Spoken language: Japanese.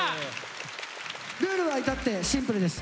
ルールは至ってシンプルです。